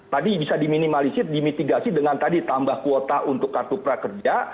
tadi bisa diminimalisir dimitigasi dengan tadi tambah kuota untuk kartu prakerja